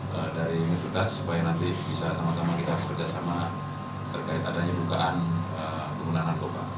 jadi kita berusaha untuk bisa sama sama bekerja sama terkait adanya bukaan penggunaan narkoba